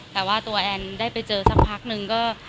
แต่ว่าตัวแอนได้ไปเจอสักพักนึงก็